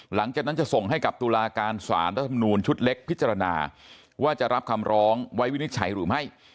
หลังจากนั้นจะส่งให้กับตุลาการสารรัฐมนูลชุดเล็กพิจารณาว่าจะรับคำร้องไว้วินิจฉัยหรือไม่